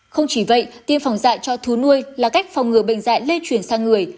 không chỉ vậy tiêm phòng dạy cho thú nuôi là cách phòng ngừa bệnh dạy lây chuyển sang người